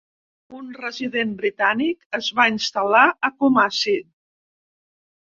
Un resident britànic es va instal·lar a Kumasi.